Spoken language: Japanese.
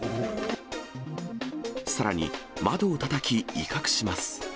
さらに、窓をたたき、威嚇します。